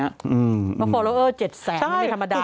มาฟอร์โลเวอร์๗แสนไม่มีธรรมดา